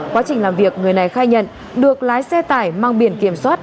quá trình làm việc người này khai nhận được lái xe tải mang biển kiểm soát